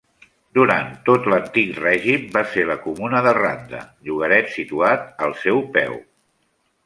Durant tot l'antic règim va ser la comuna de Randa, llogaret situat al seu peu.